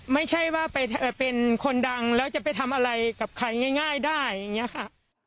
ไม่ใช่ว่าเป็นคนดังแล้วจะไปทำอะไรกับใครง่ายได้อย่างนี้ค่ะ